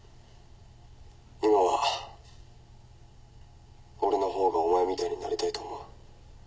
今は俺の方がお前みたいになりたいと思う。